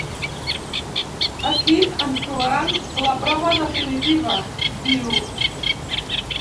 Aquí en trobaran la prova definitiva —diu.